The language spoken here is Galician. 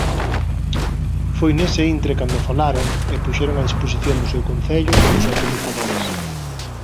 Foi nese intre cando falaron e puxeron a disposición do seu concello os atomizadores.